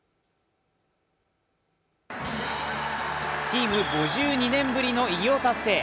チーム５２年ぶりの偉業達成。